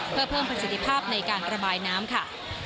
เพื่อเพิ่มประสิทธิภาพในการระบายน้ำค่ะ